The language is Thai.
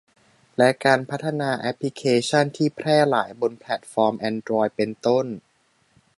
และการพัฒนาแอพลิเคชั่นที่แพร่หลายบนแพลทฟอร์มแอนดรอยด์ เป็นต้น